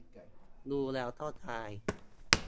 ดูแล้วก็ทาย